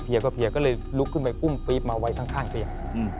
เพียก็เพียก็เลยลุกขึ้นไปอุ้มปรี๊บมาไว้ข้างเตียง